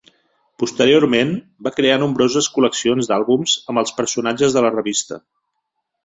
Posteriorment, va crear nombroses col·leccions d'àlbums amb els personatges de la revista.